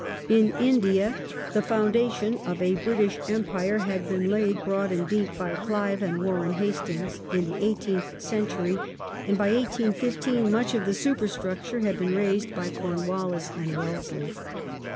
In India the foundation of a British Empire had been laid broad and deep by Clive and Warren Hastings in the eighteenth century, and by 1815 much of the super structure had been raised by Cornwallis and Wellesley.